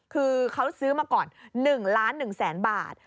คือเขาซื้อมาก่อน๑ล้าน๑แสนบาท